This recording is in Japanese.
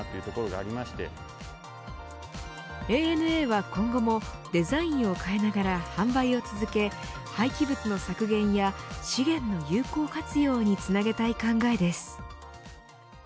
ＡＮＡは今後もデザインを変えながら販売を続け廃棄物の削減や資源の有効活用につなげたい考えです。